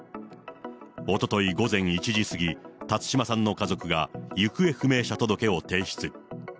おととい午前１時過ぎ、辰島さんの家族が行方不明者届を提出。